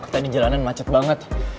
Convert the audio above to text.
tadi jalanan macet banget